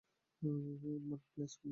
এর মানে প্লেস্কুল বন্ধ ছিল।